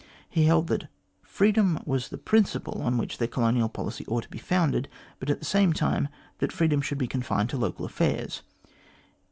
He held that freedom was the principle on which their colonial policy ought to be founded, but, at the same time, that freedom should be confined to local affairs.